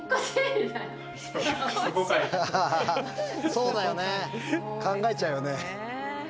そうだよね考えちゃうよね。